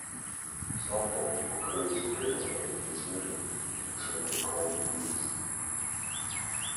Snowfall occurs occasionally in this region in extremely cold years.